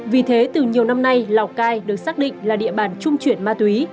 vì thế từ nhiều năm nay lào cai được xác định là địa bàn trung chuyển ma túy